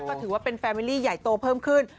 ก็ถือว่าเป็นแฟมิลลี่ใหญ่โตเพิ่มขึ้น